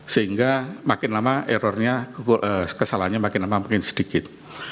sehingga makin lama errornya kesalahannya makin lama makin sedikit